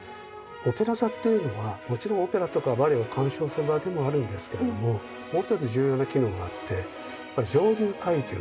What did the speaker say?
オペラ座っていうのはもちろんオペラとかバレエを鑑賞する場でもあるんですけれどももう一つ重要な機能があって上流階級の社交場なんですよね。